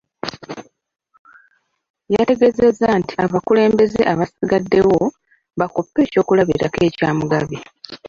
Yategeezezza nti abakulembeze abasigaddewo bakoppe eky'okulabirako ekya Mugabi